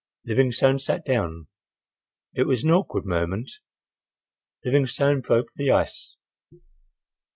Livingstone sat down. It was an awkward moment. Livingstone broke the ice.